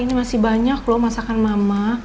ini masih banyak loh masakan mama